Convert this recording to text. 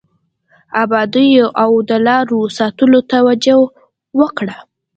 ابادیو او د لارو ساتلو ته توجه وکړه.